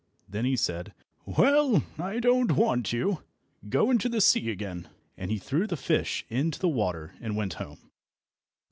Then he said, "Well, I don't want you. Go into the sea again," and he threw the fish into the water and went home.